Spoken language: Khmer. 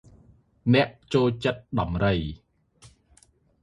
អ្នកចូលចិត្តដំរី ។